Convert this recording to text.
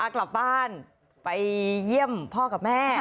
กลับบ้านไปเยี่ยมพ่อกับแม่